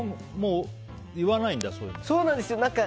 言わないんだ、そういうの。